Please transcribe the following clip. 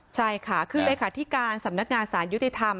ใช่ค่ะคือเลขาธิการสำนักงานสารยุติธรรม